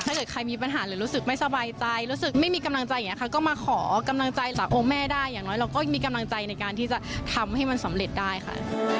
ถ้าเกิดใครมีปัญหาหรือรู้สึกไม่สบายใจรู้สึกไม่มีกำลังใจอย่างนี้ค่ะก็มาขอกำลังใจจากองค์แม่ได้อย่างน้อยเราก็มีกำลังใจในการที่จะทำให้มันสำเร็จได้ค่ะ